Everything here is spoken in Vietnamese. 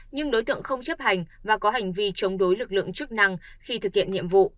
nhưng đối tượng không chấp hành và có hành vi chống đối lực lượng chức năng khi thực hiện nhiệm vụ